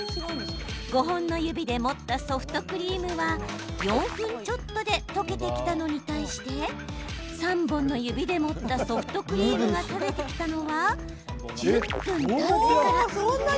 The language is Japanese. ５本の指で持ったソフトクリームは４分ちょっとで溶けてきたのに対して３本の指で持ったソフトクリームが垂れてきたのは１０分たってから。